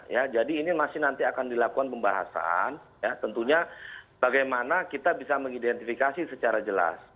ya jadi ini masih nanti akan dilakukan pembahasan ya tentunya bagaimana kita bisa mengidentifikasi secara jelas